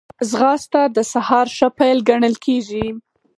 ځغاسته د سهار ښه پيل ګڼل کېږي